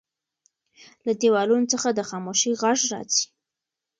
له دیوالونو څخه د خاموشۍ غږ راځي.